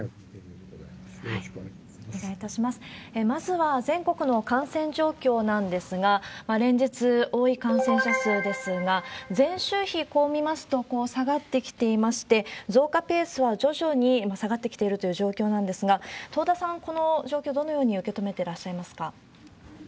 まずは全国の感染状況なんですが、連日多い感染者数ですが、前週比、こう見ますと、下がってきていまして、増加ペースは徐々に下がってきているという状況なんですが、東田さん、この状況、どのように受け止めてらっしゃいますか。